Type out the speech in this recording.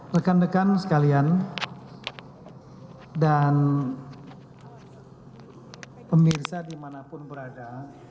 rekan rekan sekalian dan pemirsa dimanapun berada